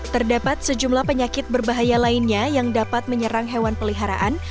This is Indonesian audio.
terdapat sejumlah penyakit berbahaya lainnya yang dapat menyerang hewan peliharaan